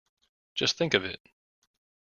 Just think of it!